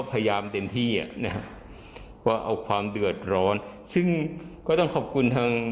พยายามเต็มที่นะว่าเอาความเดือดร้อนซึ่งก็ต้องขอบคุณทาง